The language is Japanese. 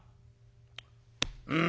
「うん。